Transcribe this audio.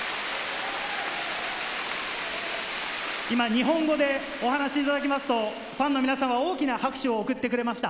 今日、日本語でお話いただきますと、ファンの皆さんは大きな拍手を送ってくれました。